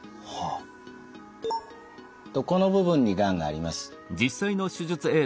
この部分にがんがあります。